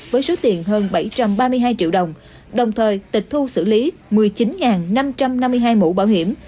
với số tiền hơn bảy trăm ba mươi hai triệu đồng đồng thời tịch thu xử lý một mươi chín năm trăm năm mươi hai mũ bảo hiểm